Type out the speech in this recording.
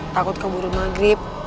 takut keburu maghrib